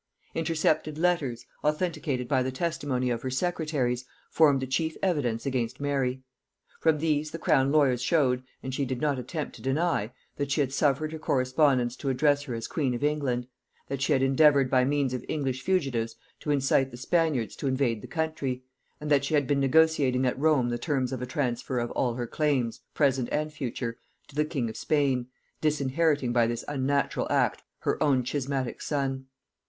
Intercepted letters, authenticated by the testimony of her secretaries, formed the chief evidence against Mary. From these the crown lawyers showed, and she did not attempt to deny, that she had suffered her correspondents to address her as queen of England; that she had endeavoured by means of English fugitives to incite the Spaniards to invade the country; and that she had been negotiating at Rome the terms of a transfer of all her claims, present and future, to the king of Spain, disinheriting by this unnatural act her own schismatic son.